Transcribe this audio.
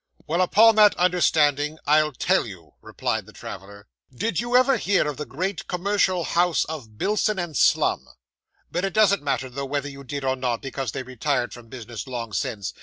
'Well, upon that understanding I'll tell you,' replied the traveller. 'Did you ever hear of the great commercial house of Bilson & Slum? But it doesn't matter though, whether you did or not, because they retired from business long since.